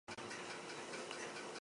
Ez da aldaketa nabarmenik izan.